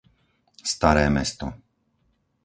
Staré Mesto